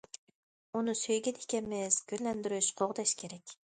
ئۇنى سۆيگەن ئىكەنمىز گۈللەندۈرۈش، قوغداش كېرەك.